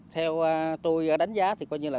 theo tôi đánh giá